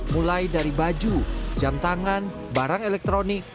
mulai dari baju jam tangan barang elektronik